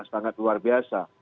sangat luar biasa